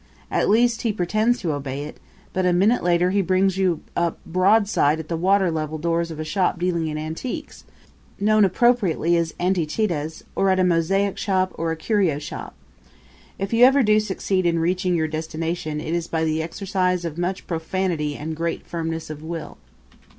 At least he pretends to obey it; but a minute later he brings you up broadside at the water level doors of a shop dealing in antiques, known appropriately as antichitas, or at a mosaic shop or a curio shop. If ever you do succeed in reaching your destination it is by the exercise of much profanity and great firmness of will.